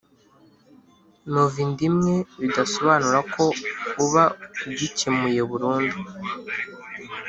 Muva inda imwe bidasobanura ko uba ugikemuye burundu